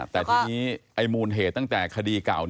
แต่ทีนี้ไอ้มูลเหตุตั้งแต่คดีเก่า